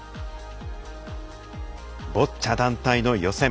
ボッチャ団体の予選。